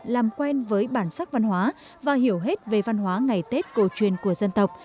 làm quen với bản sắc văn hóa và hiểu hết về văn hóa ngày tết cổ truyền của dân tộc